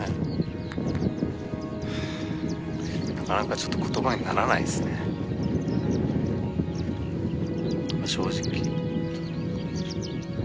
ちょっと言葉にならないですね正直。